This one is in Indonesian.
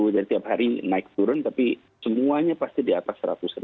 jadi tiap hari naik turun tapi semuanya pasti di atas seratus